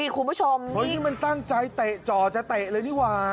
คุณผู้ชมเฮ้ยนี่มันตั้งใจเตะจ่อจะเตะเลยนี่หว่า